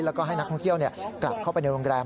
แล้วก็ให้นักท่องเที่ยวกลับเข้าไปในโรงแรม